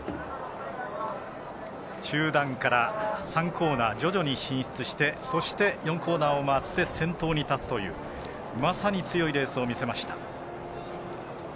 中団から３コーナー徐々に進出してそして４コーナーを回って先頭に立つというまさに強いレースを見せました。